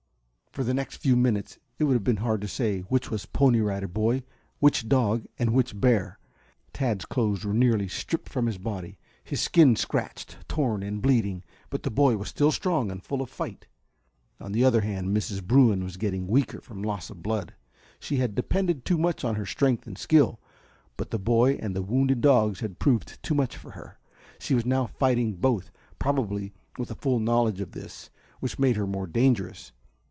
For the next few minutes it would have been hard to say which was Pony Rider Boy, which dog and which bear. Tad's clothes were nearly stripped from his body, his skin scratched, torn and bleeding. But the boy was still strong and full of fight. On the other hand, Mrs. Bruin was getting weaker from loss of blood. She had depended too much on her strength and skill, but the boy and the wounded dogs had proved too much for her. She was now fighting both, probably with a full knowledge of this, which made her the more dangerous.